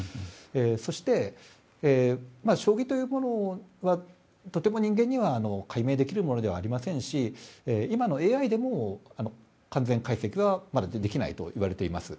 そして、将棋というものはとても人間には解明できるものではありませんし今のＡＩでも完全解析はできないといわれています。